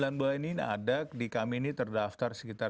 dalam sembilan bulan ini ada di kami ini terdaftar sekitar sembilan